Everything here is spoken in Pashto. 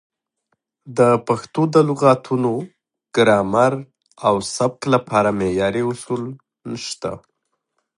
د پښتو د لغتونو، ګرامر او سبک لپاره معیاري اصول نشته.